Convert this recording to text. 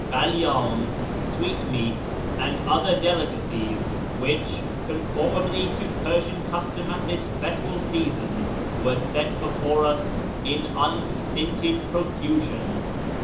SH/rAZ ■ 272> meats, and other delicacies which, couformably to Persian custom at this festal season, were set before us in unstinted profusion.